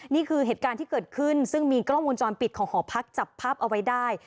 นี่คือเหตุการณ์ที่เกิดขึ้นซึ่งมีกล้องวงจรปิดของหอพักจับภาพเอาไว้ได้